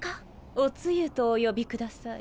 お露とお呼びください。